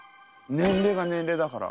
年齢が年齢だから。